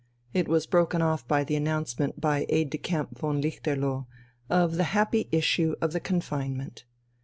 It was broken off by the announcement by aide de camp von Lichterloh, of the happy issue of the confinement.